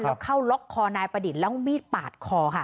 แล้วเข้าล็อกคอนายประดิษฐ์แล้วมีดปาดคอค่ะ